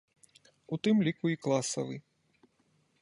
У тым ліку і класавы.